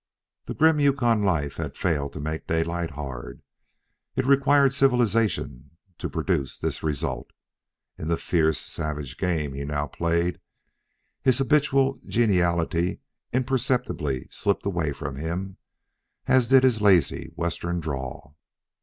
The grim Yukon life had failed to make Daylight hard. It required civilization to produce this result. In the fierce, savage game he now played, his habitual geniality imperceptibly slipped away from him, as did his lazy Western drawl.